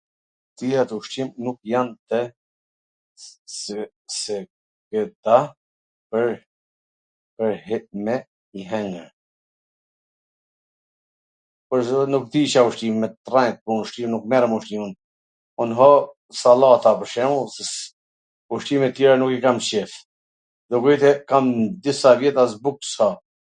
Cilat ushqim nuk jan tw ...se.. rta pwr me i hwngwr? Pwr zotin nuk di Ca ushqime, me t rrejt, me ushqime nuk merrem me ushqime un, un ha sallat pwr shemull, se ushqim tjera nuk i kam qef, llogarite kam disa vjet as buk s ha.